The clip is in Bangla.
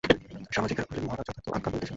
সামাজিকেরা কহিলেন, মহারাজ যথার্থ আজ্ঞা করিতেছেন।